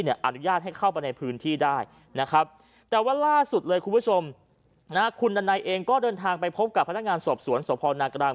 อนุญาตให้เข้าไปในพื้นที่ได้นะครับแต่ว่าล่าสุดเลยคุณผู้ชมคุณดันัยเองก็เดินทางไปพบกับพนักงานสอบสวนสพนากลาง